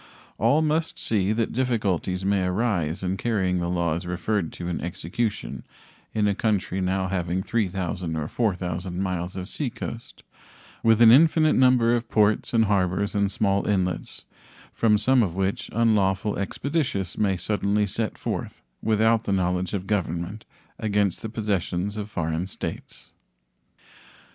All must see that difficulties may arise in carrying the laws referred to into execution in a country now having 3,000 or 4,000 miles of seacoast, with an infinite number of ports and harbors and small inlets, from some of which unlawful expeditious may suddenly set forth, without the knowledge of Government, against the possessions of foreign states.